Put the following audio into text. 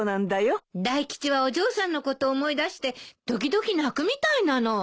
大吉はお嬢さんのこと思い出して時々鳴くみたいなの。